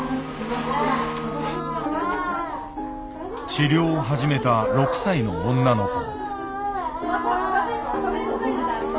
・治療を始めた６歳の女の子。